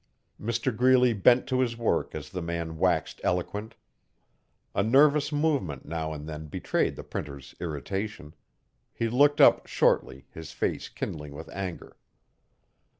Mr Greeley bent to his work as the man waxed eloquent. A nervous movement now and then betrayed the Printer's irritation. He looked up, shortly, his face kindling with anger.